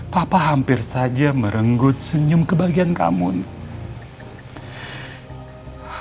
papa hampir saja merenggut senyum kebahagiaan kamu nih